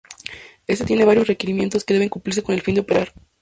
Éste tiene varios requerimientos que deben cumplirse con el fin de operar.